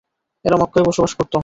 এরা মক্কায় বসবাস করত।